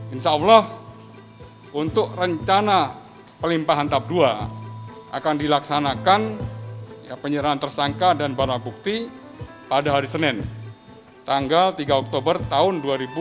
insya allah untuk rencana pelimpahan tap dua akan dilaksanakan penyerahan tersangka dan barang bukti pada hari senin tanggal tiga oktober tahun dua ribu dua puluh